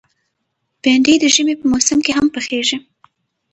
بېنډۍ د ژمي په موسم کې هم پخېږي